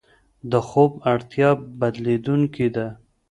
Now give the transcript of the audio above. د خوب اړتیا بدلېدونکې ده.